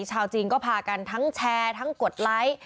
ชาวจีนก็พากันทั้งแชร์ทั้งกดไลค์